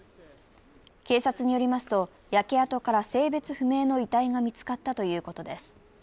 警察によりますと焼け跡から性別不明の遺体が見つかったということです。